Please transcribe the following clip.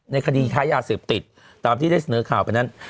ในคดีค้ายาเสพติดตามที่ได้เสนอข่าวไปนั้น